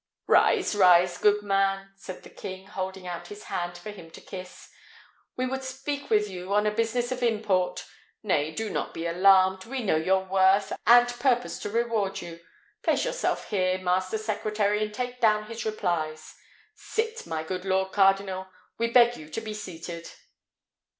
"Rise, rise, good man!" said the king, holding out his hand for him to kiss: "we would speak with you on a business of import. Nay, do not be alarmed. We know your worth, and purpose to reward you. Place yourself here, master secretary, and take down his replies. Sit, my good lord cardinal; we beg you to be seated."